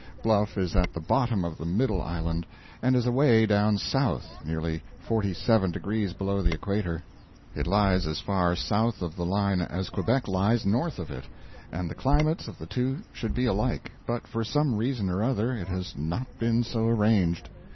Bluff is at the bottom of the middle island, and is away down south, nearly fort y seven degrees below the equator. It lies as far south of the line as Quebec lies north of it, and the climates of the two should be alike; but for some reason or other it has not been so arranged.